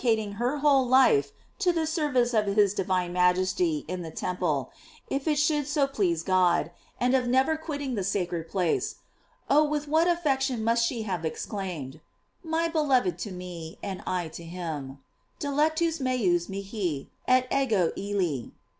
4, Serm. 1. •LORIES OF MARY 401 eating her whole life to the service of his Divine Majesty in the temple, if it should so please God; and of never quitting that sacred place, Oh, with what affection must she have exclaim ed: My beloved to me, and I to him: "Dilectus metis mihi, et ego illi."